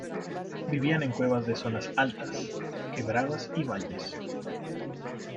Vivian en cuevas de zonas altas, quebradas y valles.